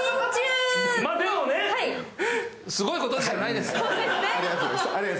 でもすごいことじゃないですか。